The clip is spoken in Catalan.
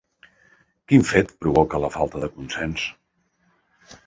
Quin fet provoca la falta de consens?